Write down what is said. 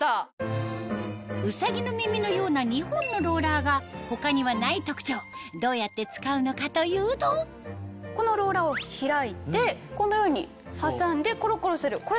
ウサギの耳のような２本のローラーが他にはない特徴どうやって使うのかというとこのローラーを開いてこのように挟んでコロコロする。